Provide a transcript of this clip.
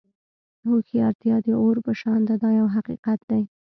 هوښیارتیا د اور په شان ده دا یو حقیقت دی.